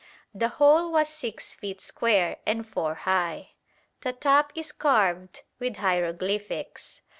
The whole was 6 feet square and 4 high. The top is carved with hieroglyphics.